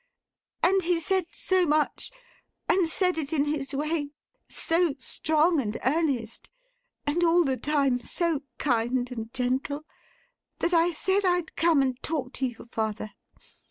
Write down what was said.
And he said so much, and said it in his way; so strong and earnest, and all the time so kind and gentle; that I said I'd come and talk to you, father.